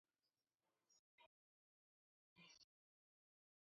Carrera mismo da tres motivos diferentes para ese segundo golpe.